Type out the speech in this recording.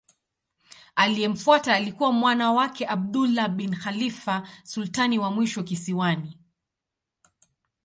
Aliyemfuata alikuwa mwana wake Abdullah bin Khalifa sultani wa mwisho kisiwani.